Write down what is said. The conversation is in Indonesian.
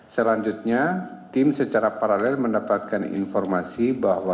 selanjutnya tim secara paralel mendapatkan informasi bahwa